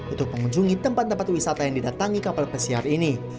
untuk mengunjungi tempat tempat wisata yang didatangi kapal pesiar ini